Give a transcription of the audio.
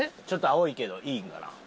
ちょっと青いけどいいんかな？